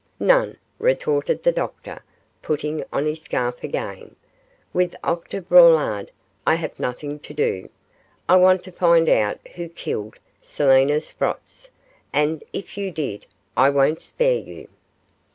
'None,' retorted the doctor, putting on his scarf again; 'with Octave Braulard I have nothing to do: I want to find out who killed Selina Sprotts, and if you did, I won't spare you.